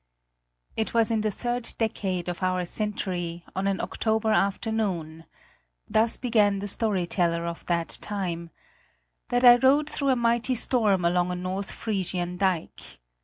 It was in the third decade of our century, on an October afternoon thus began the story teller of that time that I rode through a mighty storm along a North Frisian dike.